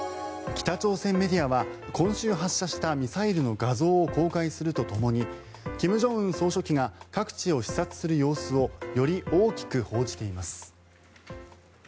北朝鮮メディアは今週発射したミサイルの画像を公開するとともに金正恩総書記が各地を視察する様子をより大きく報じています。